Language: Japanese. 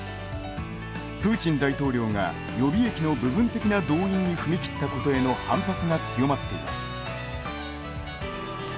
プーチン大統領が予備役の部分的な動員に踏み切ったことへの反発が強まっています。